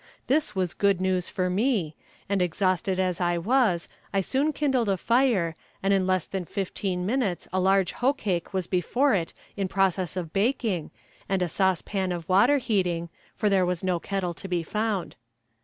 This was good news for me, and exhausted as I was, I soon kindled a fire, and in less than fifteen minutes a large hoe cake was before it in process of baking, and a sauce pan of water heating, for there was no kettle to be found.